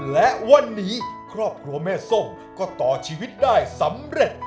และวันนี้ครอบครัวแม่ส้มก็ต่อชีวิตได้สำเร็จ